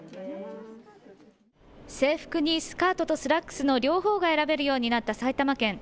制服にスカートとスラックスの両方が選べるようになった埼玉県。